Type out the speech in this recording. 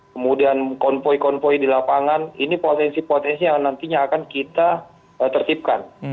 kemudian konvoy konvoy di lapangan ini potensi potensi yang nantinya akan kita tertipkan